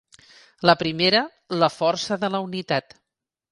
La primera, la força de la unitat.